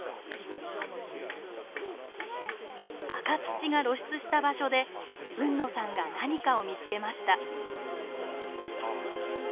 赤土が露出した場所で海野さんが何かを見つけました。